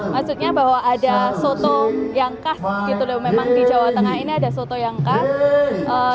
maksudnya bahwa ada soto yang khas gitu loh memang di jawa tengah ini ada soto yang khas